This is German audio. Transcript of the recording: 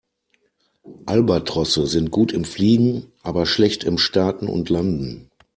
Albatrosse sind gut im Fliegen, aber schlecht im Starten und Landen.